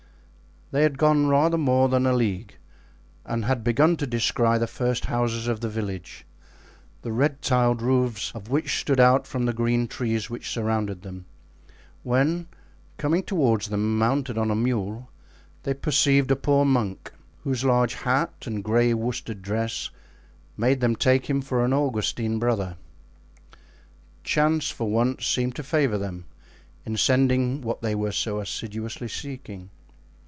They had gone rather more than a league and had begun to descry the first houses of the village, the red tiled roofs of which stood out from the green trees which surrounded them, when, coming toward them mounted on a mule, they perceived a poor monk, whose large hat and gray worsted dress made them take him for an Augustine brother. Chance for once seemed to favor them in sending what they were so assiduously seeking.